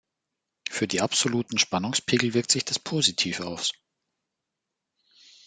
Für die absoluten Spannungspegel wirkt sich das positiv aus.